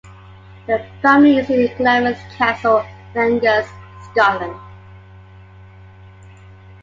The family seat is Glamis Castle, in Angus, Scotland.